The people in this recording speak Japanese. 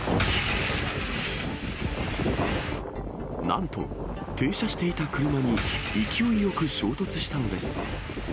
なんと、停車していた車に勢いよく衝突したのです。